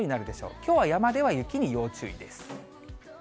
きょうは山では雪に要注意です。